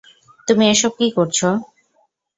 তুমি এসব কি করছো?